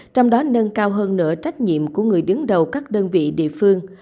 trong đó nâng cao hơn nữa trách nhiệm của người đứng đầu các đơn vị địa phương